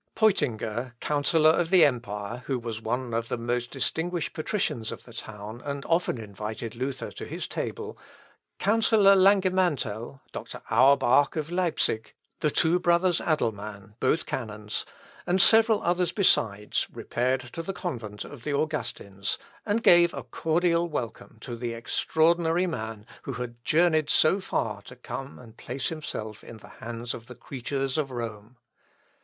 Peutinger, counsellor of the empire, who was one of the most distinguished patricians of the town, and often invited Luther to his table, counsellor Langemantel, Dr. Auerbach of Leipsic, the two brothers Adelmann, both canons, and several others besides, repaired to the convent of the Augustins, and gave a cordial welcome to the extraordinary man, who had journeyed so far to come and place himself in the hands of the creatures of Rome.